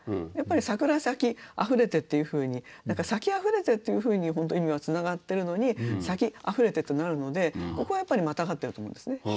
やっぱり「さくら咲きあふれて」っていうふうに「咲きあふれて」っていうふうに本当は意味がつながってるのに「咲きあふれて」となるのでここはやっぱりまたがってると思うんですね。